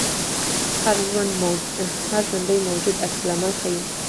هر ژوندی موجود عکس العمل ښيي